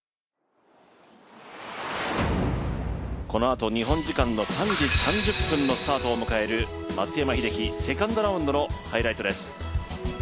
このあと、日本時間の３時３０分のスタートを迎える松山英樹、セカンドラウンドのハイライトです。